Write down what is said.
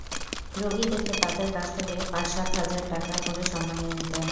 রোগী দেখে তাঁদের কাছ থেকে পাঁচ-সাত হাজার টাকা করে সম্মানী নিতেন।